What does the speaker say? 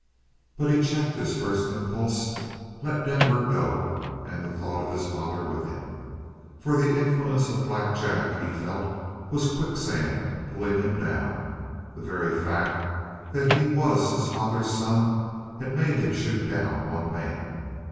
But he checked his impulse. Let Denver go, and the thought of his father with him. For the influence of Black Jack, he felt, was quicksand pulling him down. The very fact that he was his father's son had made him shoot down one man.